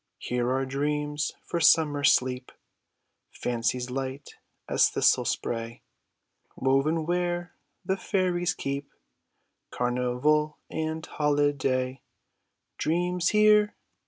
Here are dreams for summer sleep ; Fancies light as thistle spray. Woven where the fairies keep Carnival and holiday ; Dreams here